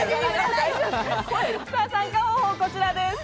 参加方法はこちらです。